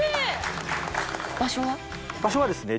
場所はですね